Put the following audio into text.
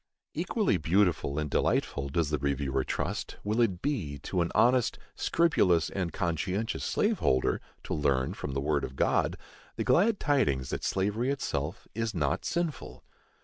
Equally beautiful and delightful, does the reviewer trust, will it be, to an honest, scrupulous and conscientious slave holder, to learn, from the word of God, the glad tidings that slavery itself is not sinful.